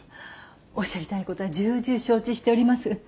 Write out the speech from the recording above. おっしゃりたいことは重々承知しております。